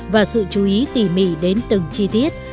và sự chú ý tỉ mị đến từng chi tiết